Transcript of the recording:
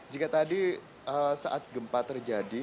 jika tadi saat gempa terjadi